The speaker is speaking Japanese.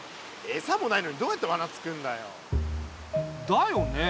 エサもないのにどうやってわなつくるんだよ。だよね。